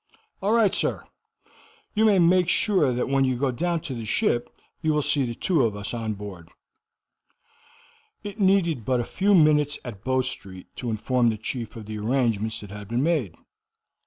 "All right, sir. You may make sure that when you go down to the ship you will see the two of us on board." It needed but a few minutes at Bow Street to inform the chief of the arrangements that had been made.